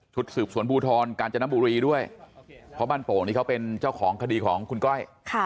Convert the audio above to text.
สืบสวนภูทรกาญจนบุรีด้วยเพราะบ้านโป่งนี่เขาเป็นเจ้าของคดีของคุณก้อย